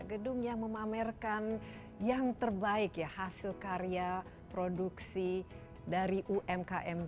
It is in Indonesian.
gedung yang memamerkan yang terbaik ya hasil karya produksi dari umkm